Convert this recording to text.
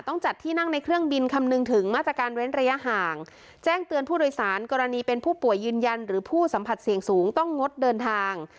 จัดที่นั่งในเครื่องบินคำนึงถึงมาตรการเว้นระยะห่างแจ้งเตือนผู้โดยสารกรณีเป็นผู้ป่วยยืนยันหรือผู้สัมผัสเสี่ยงสูงต้องงดเดินทาง